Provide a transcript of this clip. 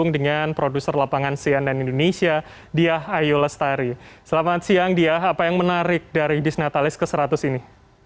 dan produser lapangan sian dan indonesia diah ayu lestari selamat siang diah apa yang menarik dari disnatalis ke seratus ini